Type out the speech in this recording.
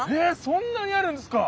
そんなにあるんですか！？